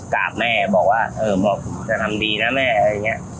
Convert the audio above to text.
กราบแม่บอกว่าเออบอกจะทำดีนะแม่อะไรอย่างนี้